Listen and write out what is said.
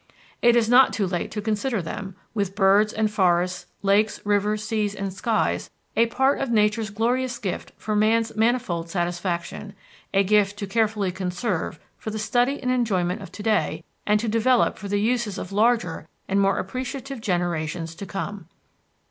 It is not too late to consider them, with birds and forests, lakes, rivers, seas, and skies, a part of nature's glorious gift for man's manifold satisfaction, a gift to carefully conserve for the study and enjoyment of to day, and to develop for the uses of larger and more appreciative generations to come.